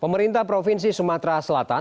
pemerintah provinsi sumatera selatan